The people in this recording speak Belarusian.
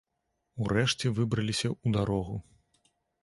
Урэшце выбраліся ў дарогу.